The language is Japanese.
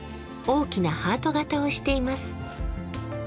大きなハート形をしています。